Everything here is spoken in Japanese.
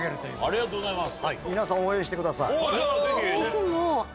ありがとうございます。